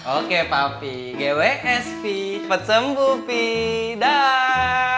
oke papi gw sp cepet sembuh piee daaah